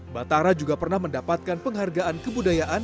batara juga pernah mendapatkan penghargaan kebudayaan